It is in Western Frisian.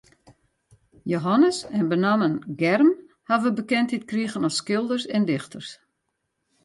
Jehannes en benammen Germ hawwe bekendheid krigen as skilders en dichters.